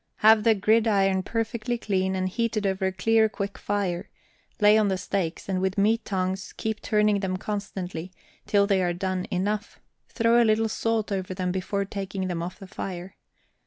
Have the gridiron perfectly clean, and heated over a clear quick fire, lay on the steaks, and with meat tongs, keep turning them constantly, till they are done enough; throw a little salt over them before taking them off the fire.